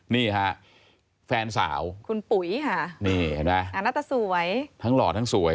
นี่ฮะแฟนสาวคุณปุ๋ยค่ะนี่เห็นไหมหน้าตาสวยทั้งหล่อทั้งสวย